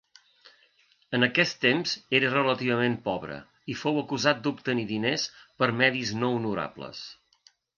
En aquest temps era relativament pobre i fou acusat d'obtenir diners per medis no honorables.